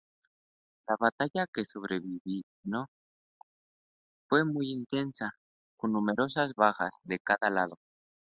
La batalla que sobrevino fue muy intensa, con numerosas bajas de cada lado.